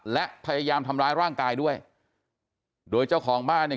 และพยายามทำร้ายร่างกายด้วยโดยเจ้าของบ้านเนี่ย